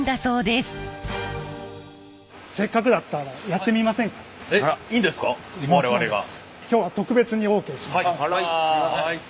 すいません。